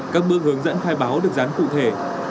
các bước hướng dẫn khai báo được dán cụ thể